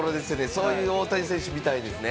そういう大谷選手を見たいですね。